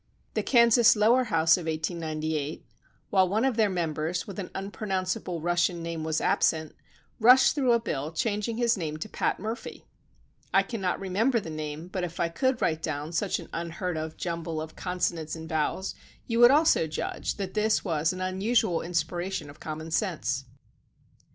The Kansas lower house of 1898, while one of their members with an unpronounce able Russian name was absent, rushed through a bill changing his name to Pat Murphy. I cannot remember the name, but if I could write down such an unheard of jumble of consonants and vowels, you would also judge that this was an unusual inspi ration of common sense.